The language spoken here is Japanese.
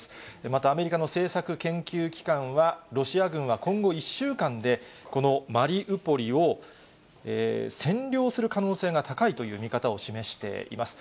またアメリカの政策研究機関は、ロシア軍は今後１週間で、このマリウポリを占領する可能性が高いという見方を示しています。